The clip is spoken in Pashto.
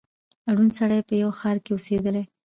ړوند سړی په یوه ښار کي اوسېدلی